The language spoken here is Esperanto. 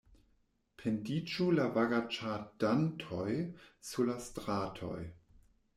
Pendiĝu la vagaĉadantoj sur la stratoj!